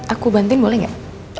aku bantuin boleh gak